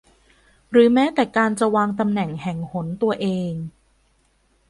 หรือแม้แต่การจะวางตำแหน่งแห่งหนตัวเอง